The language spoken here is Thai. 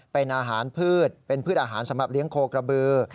เป็นอาหารพืชเป็นพืชอาหารสำหรับเลี้ยงโคกระบือ